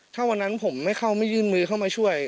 ถ้าวันนั้นผมไม่เข้าไม่ยื่นมือเข้ามาช่วย